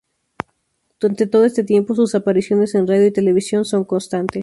Durante todo este tiempo, sus apariciones en radio y televisión son constantes.